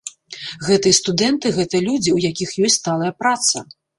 Гэта і студэнты, гэта людзі, у якіх ёсць сталая праца.